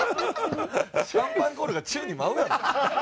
シャンパンコールが宙に舞うねん。